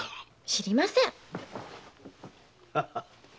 知りません！